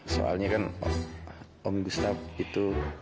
soalnya kan om gustaf itu